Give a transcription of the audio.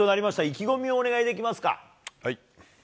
意気込みをお願いできますか。